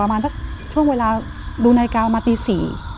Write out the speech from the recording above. ประมาณถ้าช่วงเวลาดูนายการประมาณตี๔